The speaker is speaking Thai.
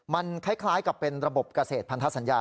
มันคล้ายกับเป็นระบบเกษตรพันธสัญญา